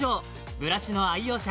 ブラシの愛用者